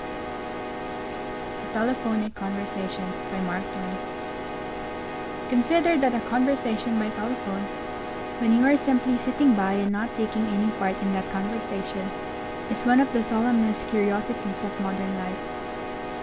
A TELEPHONIC CONVERSATION Consider that a conversation by telephone when you are simply sitting by and not taking any part in that conversation is one of the solemnest curiosities of modern life.